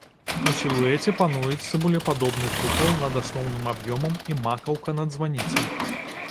У сілуэце пануюць цыбулепадобны купал над асноўным аб'ёмам і макаўка над званіцай.